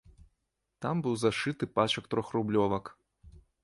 Там быў зашыты пачак трохрублёвак.